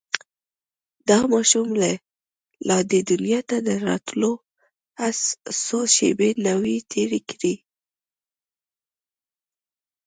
دا ماشوم لا دې دنيا ته د راتلو څو شېبې نه وې تېرې کړې.